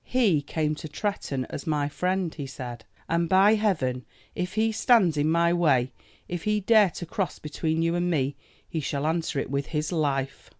"He came to Tretton as my friend," he said, "and by Heaven if he stands in my way, if he dare to cross between you and me, he shall answer it with his life!"